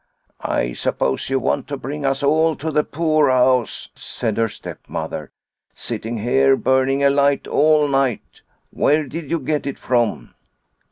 " I suppose you want to bring us all to the poorhouse," said her stepmother, " sitting here burning a light all night. Where did you get it from